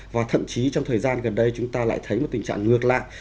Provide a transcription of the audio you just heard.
và thậm chí trong thời gian gần đây chúng ta lại thấy một tình trạng ngược lại